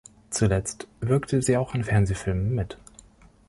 Zuletzt wirkte sie auch in Fernsehfilmen mit.